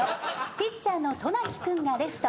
ピッチャーの渡名喜君がレフト。